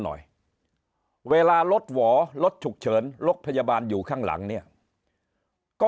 หน่อยเวลารถหวอรถฉุกเฉินรถพยาบาลอยู่ข้างหลังเนี่ยก็